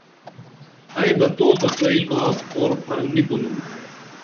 ائی بہ تو تہ پرئی کاس اُور پھر نی کُنُم